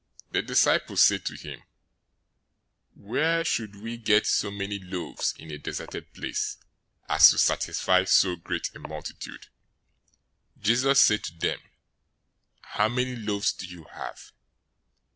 015:033 The disciples said to him, "Where should we get so many loaves in a deserted place as to satisfy so great a multitude?" 015:034 Jesus said to them, "How many loaves do you have?"